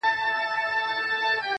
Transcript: د خدای د حسن عکاسي د يتيم زړه کي اوسي_